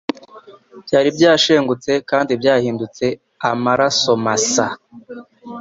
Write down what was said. byari byashengutse kandi byahindutse amaraso masa